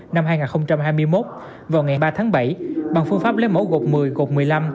năm hai nghìn hai mươi một vào ngày ba tháng bảy bằng phương pháp lấy mẫu gột một mươi gột một mươi năm